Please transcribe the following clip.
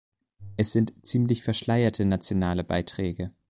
Es sind ziemlich verschleierte nationale Beiträge.